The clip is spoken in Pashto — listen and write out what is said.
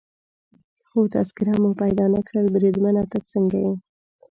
خو تذکیره مو پیدا نه کړل، بریدمنه ته څنګه یې؟